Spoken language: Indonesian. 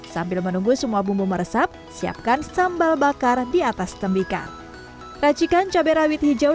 sambil menunggu semua bumbu meresap siapkan sambal bakar di atas tembikar racikan cabai rawit hijau